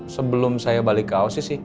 sebelum saya balik ke osis sih